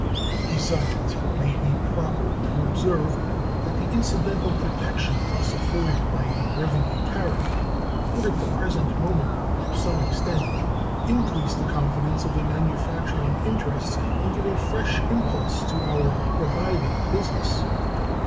Besides, it may be proper to observe that the incidental protection thus afforded by a revenue tariff would at the present moment to some extent increase the confidence of the manufacturing interests and give a fresh impulse to our reviving business.